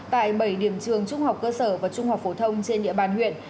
tại bảy điểm trường trung học cơ sở và trung học phổ thông trên địa bàn huyện